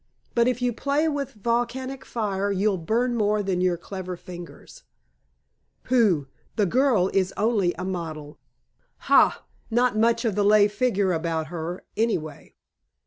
But if you play with volcanic fire you'll burn more than your clever fingers." "Pooh! The girl is only a model." "Ha! Not much of the lay figure about her, anyway."